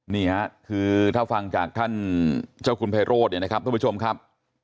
นี่ค่ะคือถ้าฟังจากท่านเจ้าคุณไพโรธเนี่ยนะครับทุกผู้ชมครับ